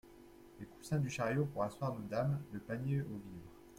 Les coussins du chariot pour asseoir nos dames… le panier aux vivres…